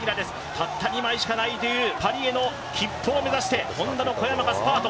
たった２枚しかないというパリへの切符を目指して、の小山がスパート。